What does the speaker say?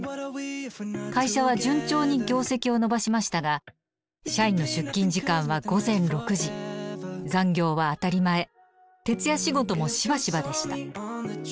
会社は順調に業績を伸ばしましたが社員の出勤時間は午前６時残業は当たり前徹夜仕事もしばしばでした。